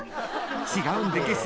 「違うんでげす。